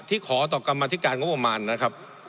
ที่ขอต่อกรรมอธิการกว่าประมาณนะครับ